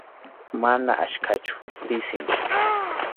Mana achkachu, pisim.